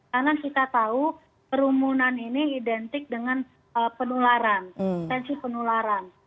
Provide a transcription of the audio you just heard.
karena kita tahu kerumunan ini identik dengan penularan tensi penularan